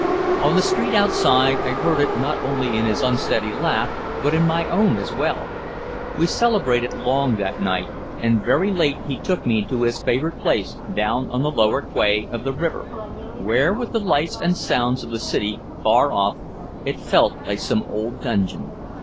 On the street outside I heard it not only in his unsteady laugh but in my own as well. We celebrated long that night, and very late he took me to his favorite place down on the lower quay of the river, where with the lights and the sounds of the city far off it felt like some old dungeon.